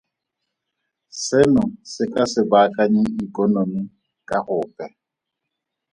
Seno se ka se baakanye ikonomi ka gope.